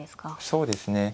そうですね。